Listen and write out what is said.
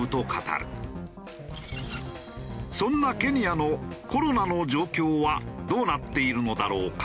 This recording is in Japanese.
そんなケニアのコロナの状況はどうなっているのだろうか。